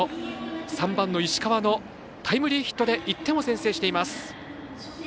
３番の石川のタイムリーヒットで１点を先制しています。